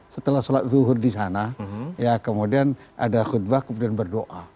setelah sholat duhur di sana ya kemudian ada khutbah kemudian berdoa